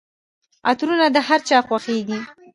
عطرونه د هرچا خوښیږي.